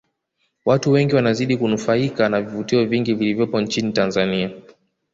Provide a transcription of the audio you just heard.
Watu wengi wanazidi kunufaika na vivutio vingi vilivopo nchini Tanzania